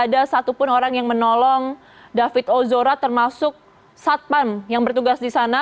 ada satupun orang yang menolong david ozora termasuk satpam yang bertugas di sana